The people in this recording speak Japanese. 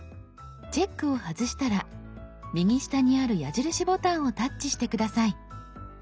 チェックを外したら右下にある矢印ボタンをタッチして下さい。